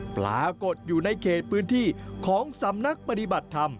ปรากฏอยู่ในเขตพื้นที่ของสำนักปฏิบัติธรรม